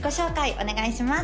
お願いします